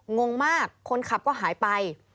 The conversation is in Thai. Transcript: งงมากคนขับก็หายไป